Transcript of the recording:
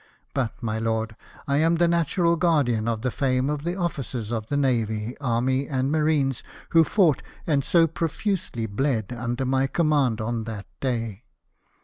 But, my lord, I am the natural guardian of the fame of the officers of the navy, army, and marines, who fought and so profusely bled under my command on that day.